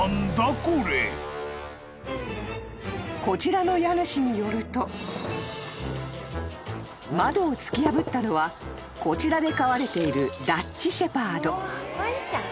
［こちらの家主によると窓を突き破ったのはこちらで飼われているダッチ・シェパード］